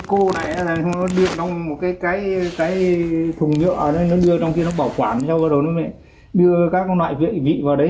cô này nó đưa trong một cái thùng nhựa ở đây nó đưa trong kia nó bảo quản cho bắt đầu nó đưa các loại vệ vị vào đấy